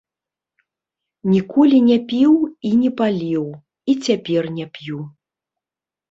Ніколі не піў і не паліў, і цяпер не п'ю.